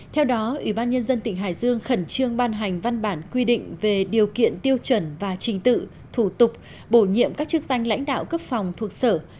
theo đó ủy ban nhân dân tỉnh hải dương khẩn trương ban hành văn bản quy định về điều kiện tiêu chuẩn và trình tự thủ tục bổ nhiệm các chức danh lãnh đạo cấp phòng thuộc sở